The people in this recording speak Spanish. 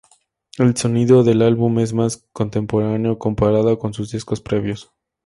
El sonido del álbum es más contemporáneo comparado con sus discos previos.